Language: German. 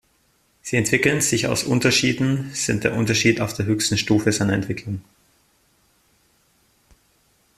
Sie entwickeln sich aus Unterschieden, sind der Unterschied auf der höchsten Stufe seiner Entwicklung.